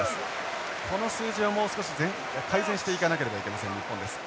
この数字をもう少し改善していかなければいけません日本です。